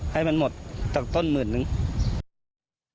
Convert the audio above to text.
ให้มันหมดตรงต้น๑๐๐๐๐แล้ว